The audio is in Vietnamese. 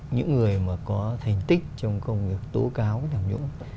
những người mà có thành tích trong công việc tổ cao tham nhũng